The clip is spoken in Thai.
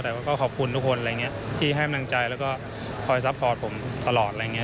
แต่ก็ขอบคุณทุกคนอะไรอย่างนี้ที่ให้กำลังใจแล้วก็คอยซัพพอร์ตผมตลอดอะไรอย่างนี้